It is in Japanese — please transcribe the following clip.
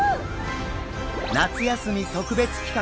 夏休み特別企画！